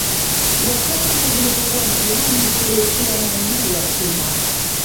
Wakati zilipokuwa njiani kuelekea maeneo ya Cuba